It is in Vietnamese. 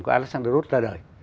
của alexander roth ra đời